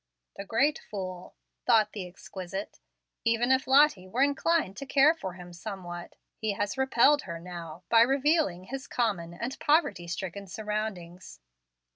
"The great fool!" thought the exquisite. "Even if Lottie were inclined to care for him somewhat, he has repelled her now by revealing his common and poverty stricken surroundings."